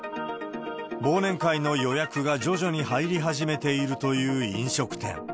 忘年会の予約が徐々に入り始めているという飲食店。